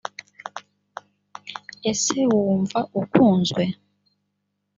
ese wumva ukunzwe ?